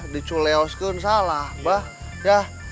diculeos pun salah bah